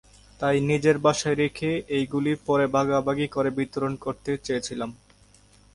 তাই নিজের বাসায় রেখে এইগুলি পরে ভাগাভাগি করে বিতরণ করতে চেয়েছিলাম।